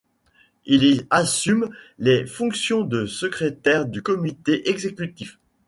Il y assume les fonctions de secrétaire du comité exécutif.